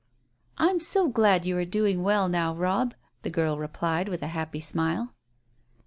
"I'm so glad you are doing well now, Robb," the girl replied, with a happy smile.